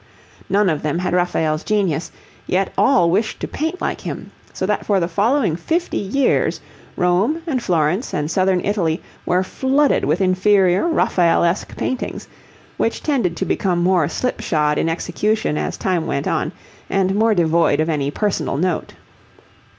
None of them had Raphael's genius, yet all wished to paint like him; so that for the following fifty years Rome and Florence and Southern Italy were flooded with inferior Raphaelesque paintings, which tended to become more slip shod in execution as time went on, and more devoid of any personal note.